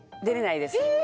出れないです。